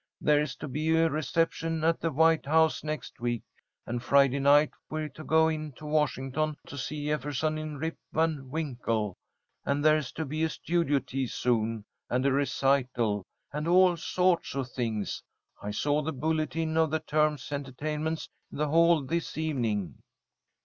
"There's to be a reception at the White House next week, and Friday night we're to go in to Washington to see Jefferson in 'Rip Van Winkle,' and there's to be a studio tea soon, and a recital, and all sorts of things. I saw the bulletin of the term's entertainments in the hall this evening."